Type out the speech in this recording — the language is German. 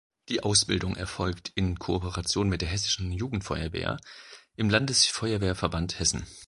Die Ausbildung erfolgt in Kooperation mit der Hessischen Jugendfeuerwehr im Landesfeuerwehrverband Hessen.